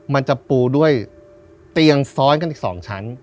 มันจะปูด้วยเตียงซ้อนกันอีก๒ชั้น